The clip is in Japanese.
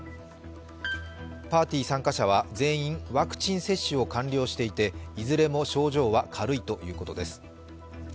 パーティー参加者は全員ワクチン接種を完了していていずれも症状は軽いということです。